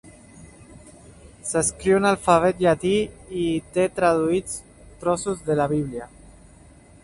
S'escriu en alfabet llatí i hi té traduïts trossos de la Bíblia.